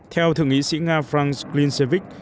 theo thượng nghị sĩ nga franz glintsevich